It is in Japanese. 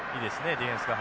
ディフェンスが。